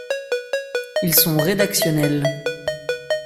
Ils sont rédactionnels.